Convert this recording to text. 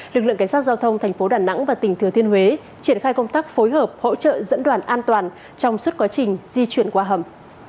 lực lượng cảnh sát giao thông thành phố đà nẵng và tỉnh thừa thiên huế triển khai công tác phối hợp hỗ trợ dẫn đoàn an toàn trong suốt quá trình di chuyển qua hầm